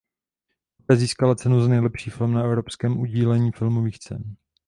Poté získala cenu za nejlepší film na Evropském udílení filmových cen.